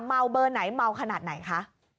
เมาเบอร์ไหนเมาขนาดไหนคะ